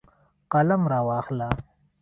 قلم راواخله